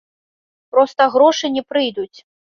Проста грошы не прыйдуць.